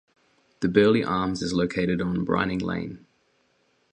The Birley Arms is located on Bryning Lane.